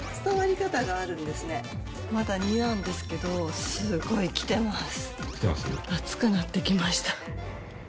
まだ２なんですけどすごいきてます。